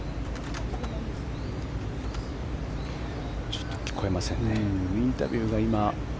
ちょっと聞こえませんね。